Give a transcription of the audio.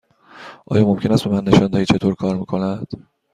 آیا ممکن است به من نشان دهید چطور کار می کند؟